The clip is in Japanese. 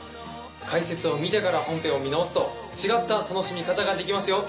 解説を見てから本編を見直すと違った楽しみ方ができますよ。